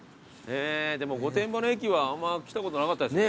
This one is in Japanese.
御殿場の駅は来たことなかったですね。